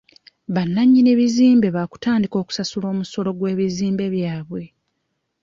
Bannannyini bizimbe baakutandika okusasula omusolo gw'ebizimbe byabwe.